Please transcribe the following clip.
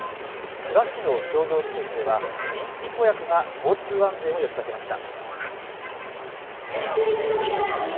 千葉市の商業施設では人気子役が交通安全を呼びかけました。